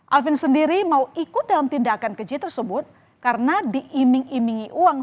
alvin sendiri mau ikut dalam tindakan keji tersebut karena diiming imingi uang